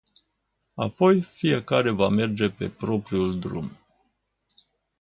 Apoi, fiecare va merge pe propriul drum.